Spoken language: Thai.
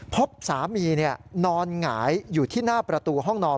พบสามีนอนหงายอยู่ที่หน้าประตูห้องนอน